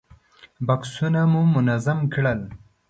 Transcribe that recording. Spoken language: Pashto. بکسونه مو منظم کړل.